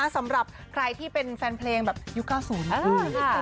สำหรับใครที่เป็นแฟนเพลงแบบยุค๙๐